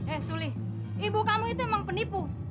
eh sulit ibu kamu itu emang penipu